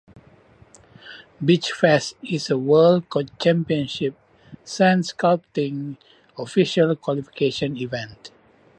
Beachfest is a World Championship Sand Sculpting official qualification event.